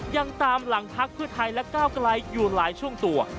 ยังตามหลังพักเพื่อไทยและก้าวไกลอยู่หลายช่วงตัว